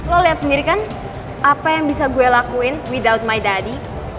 lo liat sendiri kan apa yang bisa gue lakuin without my daddy